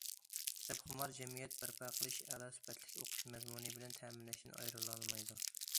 كىتابخۇمار جەمئىيەت بەرپا قىلىش ئەلا سۈپەتلىك ئوقۇش مەزمۇنى بىلەن تەمىنلەشتىن ئايرىلالمايدۇ.